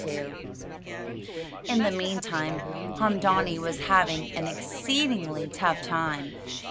In the meantime, Haamdaanee was having an exceedingly tough time.